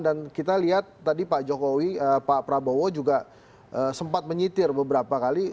dan kita lihat tadi pak jokowi pak prabowo juga sempat menyetir beberapa kali